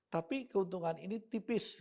tapi keuntungan ini tipis